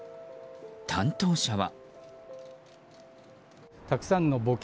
担当者は。